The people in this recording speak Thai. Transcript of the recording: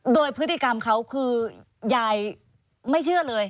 โดยพฤติกรรมเขาคือยายไม่เชื่อเลย